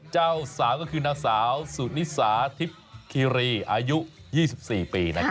เจ้าสาวก็คืนนักสาวสุนิสาธิบคิรีอายุ๒๔ปี